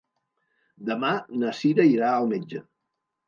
Demà na Sira irà al metge.